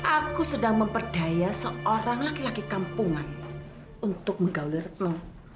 aku sedang memperdaya seorang laki laki kampungan untuk menggalirku